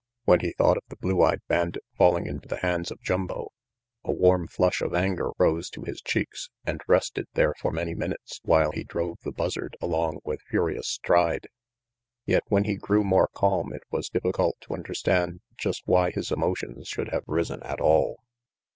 When he thought of the blue eyed bandit falling into the hands of Jumbo, a warm flush of anger rose to his 102 RANGY PETE cheeks and rested there for many minutes while he drove the Buzzard along with furious stride. Yet when he grew more calm it was difficult to understand just why his emotions should have risen at all.